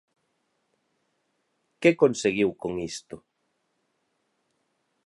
Que conseguiu con isto?